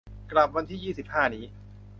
กลับวันที่ยี่สิบห้านี้